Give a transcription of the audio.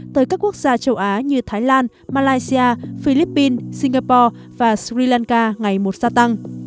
tới các quốc gia châu á như thái lan malaysia philippines singapore và sri lanka ngày một gia tăng